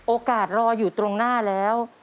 รออยู่ตรงหน้าแล้ว